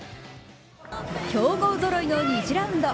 強豪ぞろいの２次ラウンド。